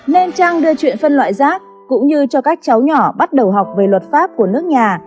nên trang đưa chuyện phân loại rác cũng như cho các cháu nhỏ bắt đầu học về luật pháp của nước nhà